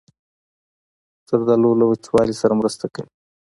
زردالو له وچوالي سره مرسته کوي.